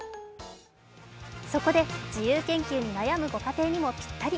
そこで、自由研究に悩むご家庭にもピッタリ。